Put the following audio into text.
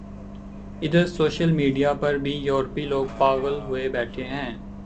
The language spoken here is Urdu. ادھر سوشل میڈیا پر بھی ، یورپی لوگ پاغل ہوئے بیٹھے ہیں ۔